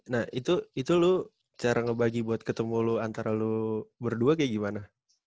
nah itu lo cara ngebagi buat ketemu lo antara lu berdua kayak gimana